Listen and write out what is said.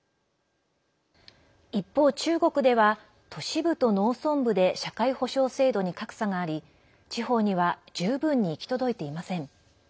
一方、中国では都市部と農村部で社会保障制度に格差があり地方には十分に行き届いていません。